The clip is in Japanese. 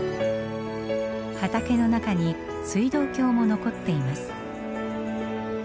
畑の中に水道橋も残っています。